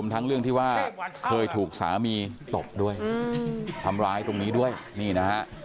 ลวมทั้งเรื่องที่ว่าเคยถูกสามีตบด้วยฮ่าการทิ้งมาแล้ว